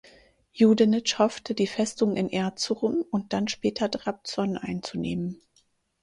Judenitsch hoffte, die Festung in Erzurum und dann später Trabzon einzunehmen.